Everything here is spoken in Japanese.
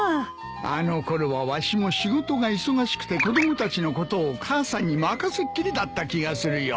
あの頃はわしも仕事が忙しくて子供たちのことを母さんに任せっきりだった気がするよ。